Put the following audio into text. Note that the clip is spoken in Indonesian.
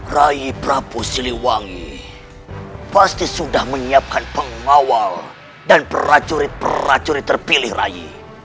rai prabu siliwangi pasti sudah menyiapkan pengawal dan prajurit pracuri terpilih rai